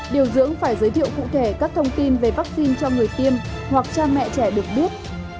điều dưỡng phải giới thiệu cụ thể các thông tin về vaccine cho người tiêm hoặc cha mẹ trẻ được biết